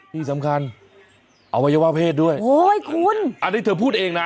นี่สำคัญเอาไว้อย่าว่าเพศด้วยโอ้ยคุณอันที่เธอพูดเองนะ